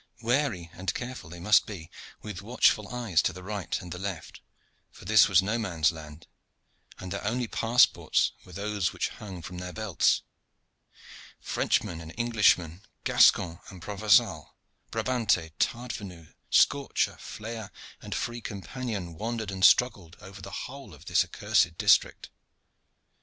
Wary and careful they must be, with watchful eyes to the right and the left, for this was no man's land, and their only passports were those which hung from their belts. Frenchmen and Englishmen, Gascon and Provencal, Brabanter, Tardvenu, Scorcher, Flayer, and Free Companion, wandered and struggled over the whole of this accursed district.